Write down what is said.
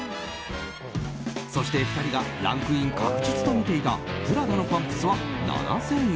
そして、２人がランクイン確実とみていたプラダのパンプスは７０００円。